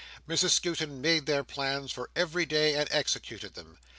Mrs Skewton made their plans for every day, and executed them.